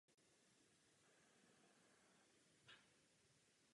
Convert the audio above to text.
Jsou tu také opatření pro finanční sektor.